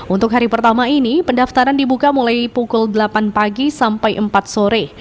untuk hari pertama ini pendaftaran dibuka mulai pukul delapan pagi sampai empat sore